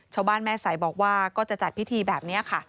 ชาวบ้านแม่ใสบอกว่าก็จะจัดพิธีแบบนี้ค่ะ